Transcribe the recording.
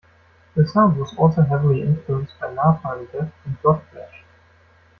The sound was also heavily influenced by Napalm Death and Godflesh.